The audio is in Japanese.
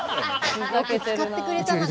よく使ってくれたなここ。